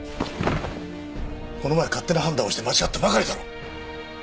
この前勝手な判断をして間違ったばかりだろう！